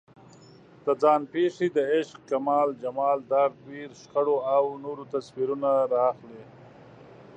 ځان پېښې د عشق، کمال، جمال، درد، ویر، شخړو او نورو تصویرونه راخلي.